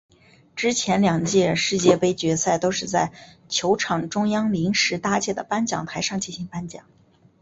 之前两届世界杯决赛都是在球场中央临时搭建的颁奖台上进行颁奖。